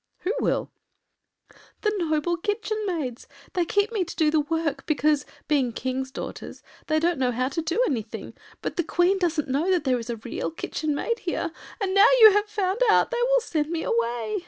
” “Who will?” “The noble Kitchen Maids. They keep me to do the work because, being Kings’ daughters, they don’t know how to do anything; but the Queen doesn’t know that there is a Real Kitchen maid here, and now you have found out they will send me away.